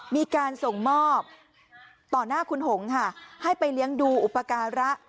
มีการส่งมอบต่อหน้าคุณหงค่ะให้ไปเลี้ยงดูอุปการะ